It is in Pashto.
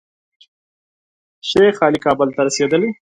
شیخ علي کابل ته رسېدلی.